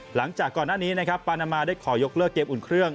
หลังจากก่อนหน้านี้นะครับปานามาได้ขอยกเลิกเกมอุ่นเครื่อง